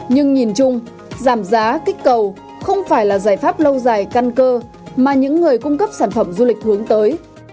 nhưng nhìn chung giảm giá kích cầu không phải là giải pháp lâu dài căn cơ mà những người cung cấp sản phẩm du lịch hướng tới